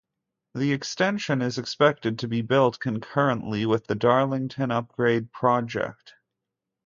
The extension is expected to be built concurrently with the Darlington Upgrade Project.